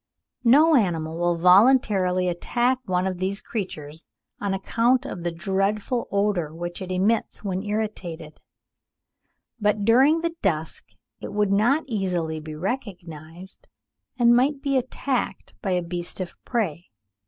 No animal will voluntarily attack one of these creatures on account of the dreadful odour which it emits when irritated; but during the dusk it would not easily be recognised and might be attacked by a beast of prey.